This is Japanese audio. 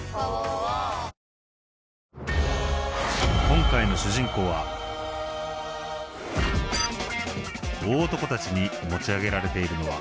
今回の主人公は大男たちに持ち上げられているのはＯＫ！